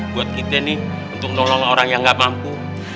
buat kita nih untuk nolong orang yang gak mampu